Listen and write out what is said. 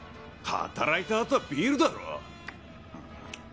働いた後はビールだろ。